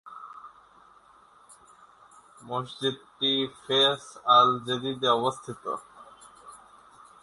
মসজিদটি ফেস আল-জেদীদে অবস্থিত।